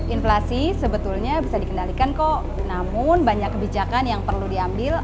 inflasi sebetulnya bisa dikendalikan kok namun banyak kebijakan yang perlu diambil